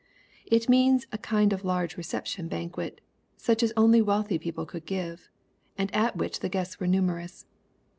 It means a kind of large' reception banquet, such as only wealthy people could give, and at which the guests were numerous.